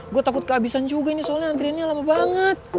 gue takut keabisan juga ini soalnya antriannya lama banget